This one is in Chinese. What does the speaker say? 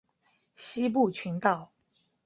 西部群岛。